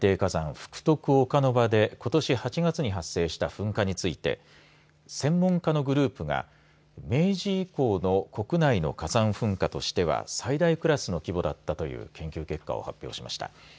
福徳岡ノ場でことし８月に発生した噴火について専門家のグループが明治以降の国内の火山噴火としては最大クラスの規模だったという研究結果を発表しました。